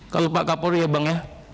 kalau pak kapolri ya bang ya